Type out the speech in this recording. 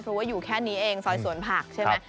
เพราะว่าอยู่แค่นี้เองซอยสวนผักใช่ไหม